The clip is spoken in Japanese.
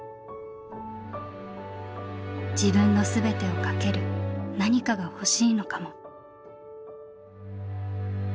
「自分の全てを賭ける何かがほしいのかも」。